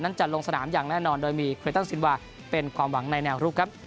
จะลงสนามอย่างแน่นอนโดยมีเครตันซินวาเป็นความหวังในแนวรุกครับ